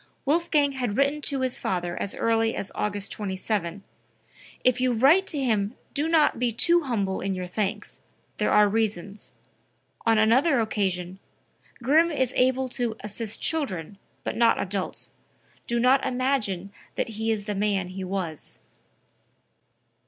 Wolfgang had written to his father as early as August 27: "If you write to him do not be too humble in your thanks; there are reasons." On another occasion: "Grimm is able to assist children, but not adults. Do not imagine that he is the man he was.")